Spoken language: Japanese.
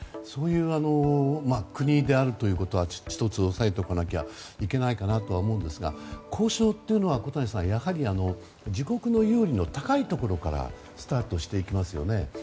そういう国であるということは１つ押さえておかなきゃいけないとは思うんですが交渉というのは、やはり自国に有利な高いところからスタートしていきますよね。